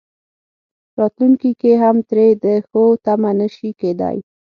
راتلونکي کې هم ترې د ښو تمه نه شي کېدای.